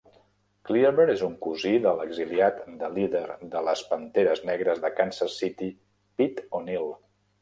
Cleaver és un cosí de l'exiliat de líder de les Panteres Negres de Kansas City Pete O'Neal.